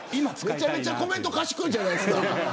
めちゃくちゃコメント賢いじゃないですか。